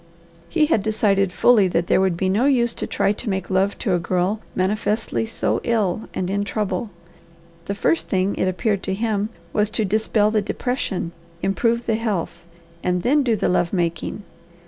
He had decided fully that there would be no use to try to make love to a girl manifestly so ill and in trouble. The first thing, it appeared to him, was to dispel the depression, improve the health, and then do the love making.